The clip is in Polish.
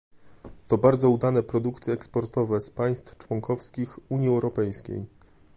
To bardzo udane produkty eksportowe z państw członkowskich Unii Europejskiej